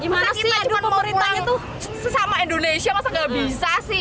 gimana sih aduh pemerintahnya tuh sesama indonesia masa gak bisa sih